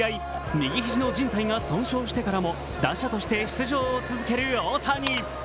右肘のじん帯が損傷してからも打者として出場を続ける大谷。